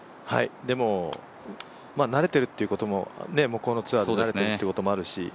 でも慣れているということも、このツアーで慣れているということもあるし